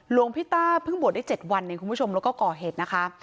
หลวงพี่ต้าเพิ่งบวชได้๗วันเองคุณผู้ชมแล้วก็ก่อเหตุนะคะ